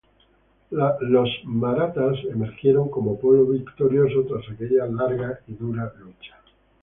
Los marathas emergieron como pueblo victorioso tras aquella larga y dura lucha.